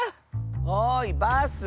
おいバス！